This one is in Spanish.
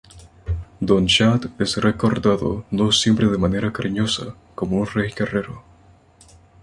Donnchad es recordado, no siempre de manera cariñosa, como un rey guerrero.